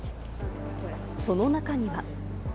その中には。